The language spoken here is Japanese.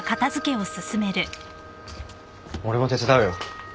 ・俺も手伝うよ。